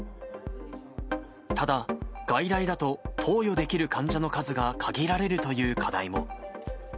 ただ、外来だと投与できる患者の数が限られるという課題も。